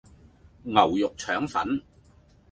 牛肉腸粉